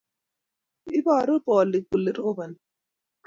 Iboru polik kole roboni.